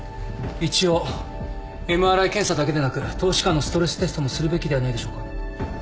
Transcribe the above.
一応ＭＲＩ検査だけでなく透視下のストレステストもするべきではないでしょうか？